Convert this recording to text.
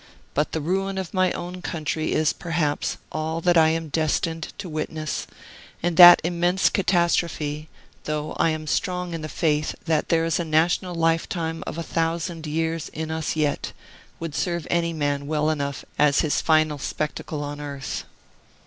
But the ruin of my own country is, perhaps, all that I am destined to witness; and that immense catastrophe (though I am strong in the faith that there is a national lifetime of a thousand years in us yet) would serve any man well enough as his final spectacle on earth.